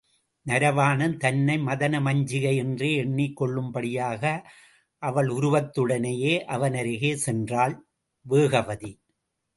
நரவாணன் தன்னை மதனமஞ்சிகை என்றே எண்ணிக் கொள்ளும்படியாக, அவளுருவத்துடனேயே அவனருகே சென்றாள் வேகவதி.